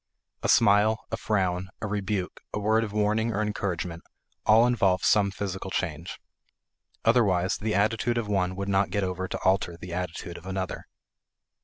A smile, a frown, a rebuke, a word of warning or encouragement, all involve some physical change. Otherwise, the attitude of one would not get over to alter the attitude of another.